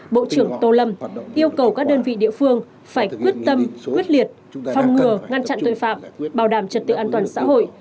bộ trưởng tô lâm yêu cầu các đơn vị địa phương phải quyết tâm quyết liệt phòng ngừa ngăn chặn tội phạm bảo đảm trật tự an toàn xã hội